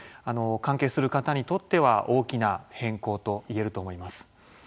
関係する方にとっては大きな変更といえると思います。